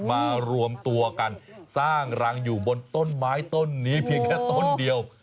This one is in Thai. มารวมตัวกันสร้างรังอยู่บนต้นไม้ต้นนี้เพียงแค่ต้นเดียว